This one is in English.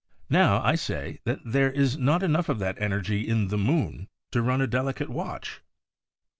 Now, I say, that there is not enough of that energy in the moon to run a delicate watch.